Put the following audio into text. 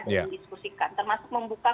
dan diskusikan termasuk membuka